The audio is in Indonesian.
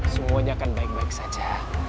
semuanya akan baik baik saja